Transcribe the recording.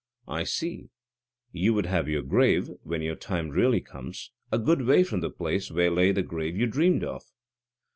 "I see; you would have your grave, when your time really comes, a good way from the place where lay the grave you dreamed of."